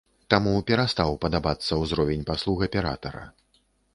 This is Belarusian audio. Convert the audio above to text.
Таму перастаў падабацца ўзровень паслуг аператара.